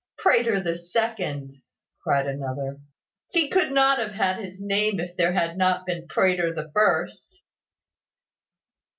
"Prater the second," cried another. "He could not have had his name if there had not been Prater the first."